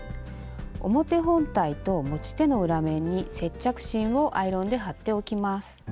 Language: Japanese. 表本体と持ち手の裏面に接着芯をアイロンで貼っておきます。